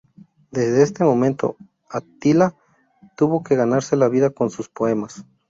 Desde este momento, Attila tuvo que ganarse la vida con sus poemas.